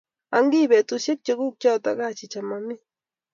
"Ang ii, bukuishek chekuk choto?" "Achicha, mami